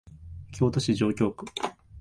京都市上京区